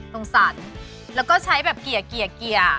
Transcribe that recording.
ลงสันแล้วก็ใช้แบบเกียร์